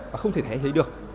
và không thể thay thế được